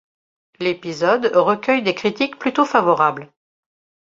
L'épisode recueille des critiques plutôt favorables.